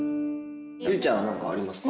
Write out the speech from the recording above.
祐里ちゃんは何かありますか？